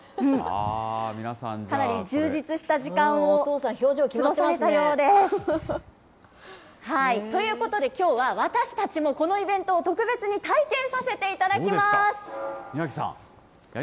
かなり充実した時間をお父さん、表情、決まってまということで、きょうは私たちもこのイベントを特別に体験させていただきます。